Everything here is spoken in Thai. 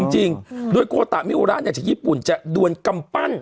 จริงด้วยโกตะมิโอราเนี่ยจากญี่ปุ่นจะด่วนกำปั้น